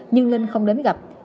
nhưng linh không đến gặp